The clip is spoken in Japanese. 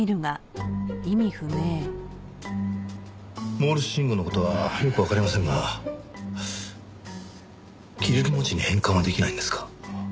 モールス信号の事はよくわかりませんがキリル文字に変換はできないんですか？